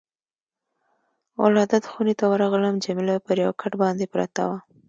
ولادت خونې ته ورغلم، جميله پر یو کټ باندې پرته وه.